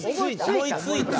思いついたの。